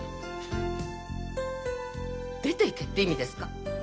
出ていけって意味ですか？